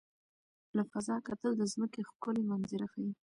له فضا کتل د ځمکې ښکلي منظره ښيي.